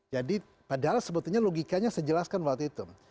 jadi padahal sebetulnya logikanya sejelaskan waktu itu